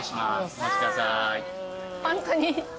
お待ちください。